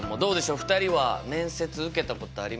２人は面接受けたことありますか？